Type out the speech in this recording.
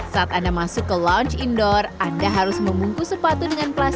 saat anda masuk ke lounge indoor anda harus membungkus sepatu dengan plastik